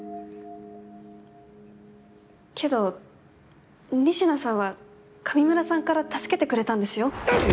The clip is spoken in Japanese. けど仁科さんは上村さんから助けてくれたんですよ？